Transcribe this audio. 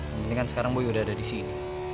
yang penting kan sekarang buy udah ada di sini